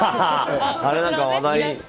あれなんか、話題に？